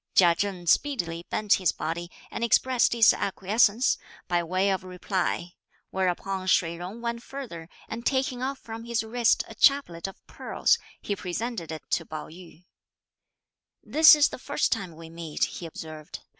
Chia Chen speedily bent his body and expressed his acquiescence, by way of reply; whereupon Shih Jung went further, and taking off from his wrist a chaplet of pearls, he presented it to Pao yü. "This is the first time we meet," he observed.